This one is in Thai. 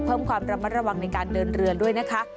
เพิ่มความระมัดระวังในการเดินเรือด้วยนะคะ